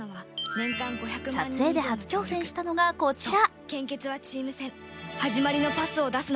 撮影で初挑戦したのがこちら。